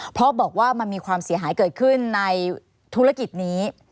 เพราะบอกว่ามันมีความเสียหายเกิดขึ้นในธุรกิจนี้